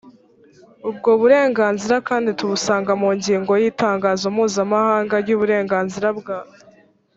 ubwo burenganzira kandi tubusanga mu ngingo ya y itangazo mpuzamahanga ry uburenganzira bwa